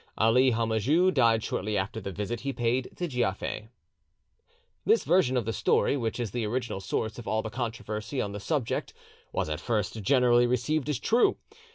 Ali Homajou died shortly after the visit he paid to Giafer." This version of the story, which is the original source of all the controversy on the subject, was at first generally received as true.